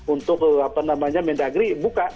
untuk mendagri buka